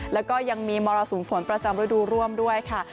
แล้วก็ยังมีมรสุมฝนประจำฤดูร่วมด้วยค่ะ